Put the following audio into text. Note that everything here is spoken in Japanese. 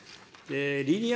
リニア